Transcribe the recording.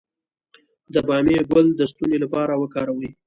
د بامیې ګل د ستوني لپاره وکاروئ